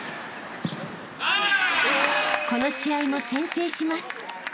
［この試合も先制します］